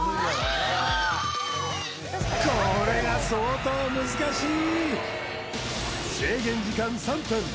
これが相当難しい！